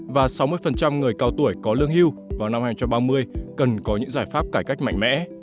và sáu mươi người cao tuổi có lương hưu vào năm hai nghìn ba mươi cần có những giải pháp cải cách mạnh mẽ